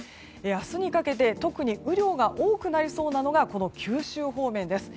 明日にかけて特に雨量が多くなりそうなのが九州方面です。